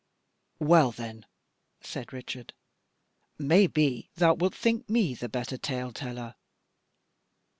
"Well then," said Richard, "maybe thou wilt think me the better tale teller."